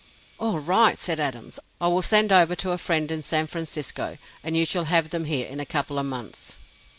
"All right," said Adams; "I will send over to a friend in San Francisco, and you shall have them here in a couple of months."